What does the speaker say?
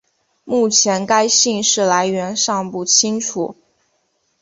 目前该姓氏来源尚不清楚。